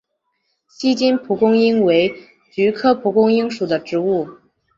锡金蒲公英为菊科蒲公英属的植物。